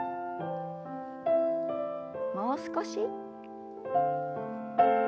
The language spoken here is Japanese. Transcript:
もう少し。